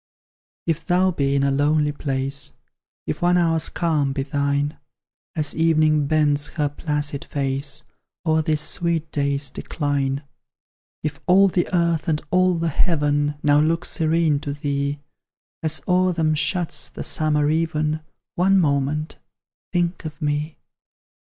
If thou be in a lonely place, If one hour's calm be thine, As Evening bends her placid face O'er this sweet day's decline; If all the earth and all the heaven Now look serene to thee, As o'er them shuts the summer even, One moment think of me!